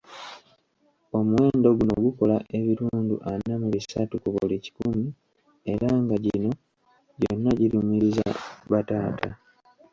Omuwendo guno gukola ebitundu ana mu bisatu ku buli kikumi era nga gino gyonna girumiriza bataata.